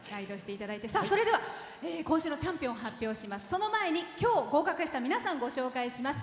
それでは、今日、合格した皆さんご紹介します。